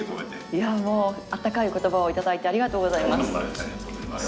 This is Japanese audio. いやもうあったかいお言葉を頂いてありがとうございます。